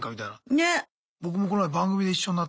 ねっ。